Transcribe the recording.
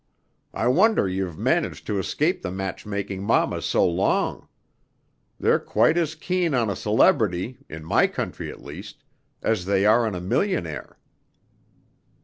I wonder you've managed to escape the matchmaking mammas so long. They're quite as keen on a celebrity, in my country at least, as they are on a millionaire."